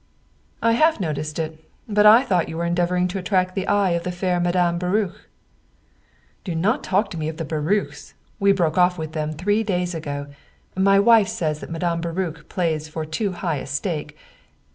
" I have noticed it, but I thought you were endeavoring to attract the eye of the fair Madame Baruch." "Do not talk to me of the Baruchs! We broke off with them three days ago. My wife says that Madame Baruch plays for too high a stake.